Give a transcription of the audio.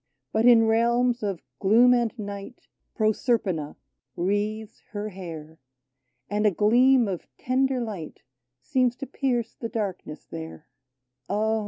But in realms of gloom and night Proserpina wreathes her hair, And a gleam of tender light Seems to pierce the darkness there :" Ah